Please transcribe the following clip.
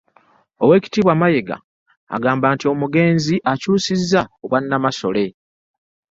Oweekitiibwa Mayiga agamba nti omugenzi akyusizza Obwannamasole.